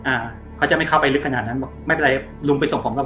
อ่าเขาจะไม่เข้าไปลึกขนาดนั้นบอกไม่เป็นไรลุงไปส่งผมกับ